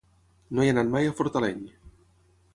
No he anat mai a Fortaleny.